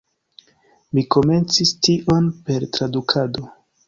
Mi komencis tion per tradukado.